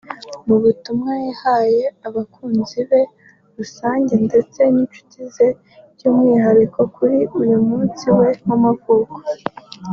Mu butumwa yahaye abakunzibe muri rusange ndetse n’inshuti ze by’umwihariko kuri uyu munsi we w’amavuko